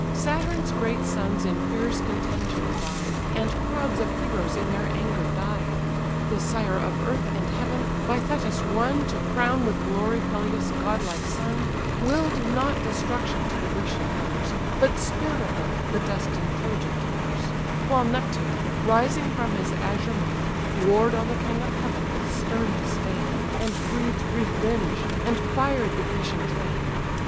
Saturn's great sons in fierce contention vied, And crowds of heroes in their anger died. The sire of earth and heaven, by Thetis won To crown with glory Peleus' godlike son, Will'd not destruction to the Grecian powers, But spared awhile the destined Trojan towers; While Neptune, rising from his azure main, Warr'd on the king of heaven with stern disdain, And breathed revenge, and fired the Grecian train.